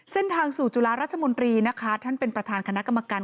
เส้นทางสู่จุฬาราชมนตรีนะคะท่านเป็นประธานคณะกรรมการ